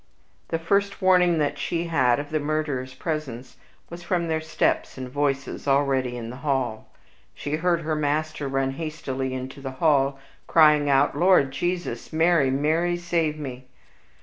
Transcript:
The first warning that she had of the murderers' presence was from their steps and voices already in the hall. She heard her master run hastily into the hall, crying out, "Lord Jesus! Mary, Mary, save me!"